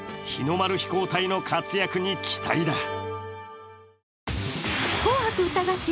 日の丸飛行隊の活躍に期待だ。